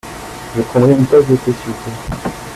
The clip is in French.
Je prendrai une tasse de thé s'il vous plait.